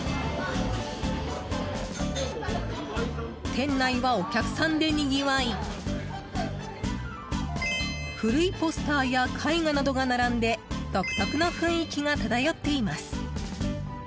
店内は、お客さんでにぎわい古いポスターや絵画などが並んで独特の雰囲気が漂っています。